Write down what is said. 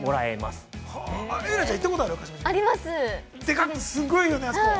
◆すごいよね。